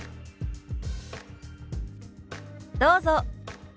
どうぞ。